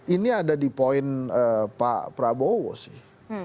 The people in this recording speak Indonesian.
ini ada di poin pak prabowo sih